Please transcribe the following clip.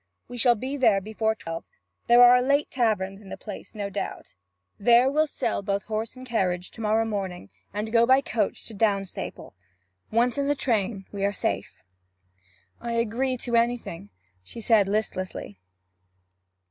We shall be there before twelve, and there are late taverns in the place, no doubt. There we'll sell both horse and carriage to morrow morning; and go by the coach to Downstaple. Once in the train we are safe.' 'I agree to anything,' she said listlessly.